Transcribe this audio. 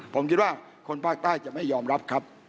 ผมคิดว่าคนภาคใต้จะไม่ยอมรับครับ